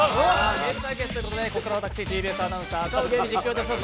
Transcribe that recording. ゲーム対決ですのでここからは私ＴＢＳアナウンサー・赤荻歩実況いたします。